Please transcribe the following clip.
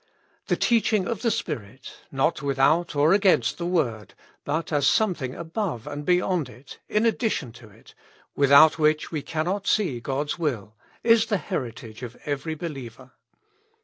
The teaching of the Spirit, not without or against the word, but as something above and beyond it, in addition to it, without which we cannot see God's will, is the heritage of every believer.